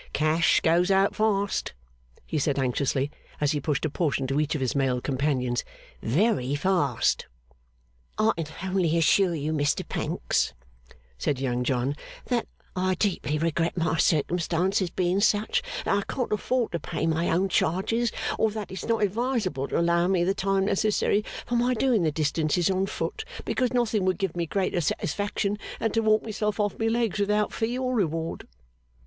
'Cash goes out fast,' he said anxiously, as he pushed a portion to each of his male companions, 'very fast.' 'I can only assure you, Mr Pancks,' said Young John, 'that I deeply regret my circumstances being such that I can't afford to pay my own charges, or that it's not advisable to allow me the time necessary for my doing the distances on foot; because nothing would give me greater satisfaction than to walk myself off my legs without fee or reward.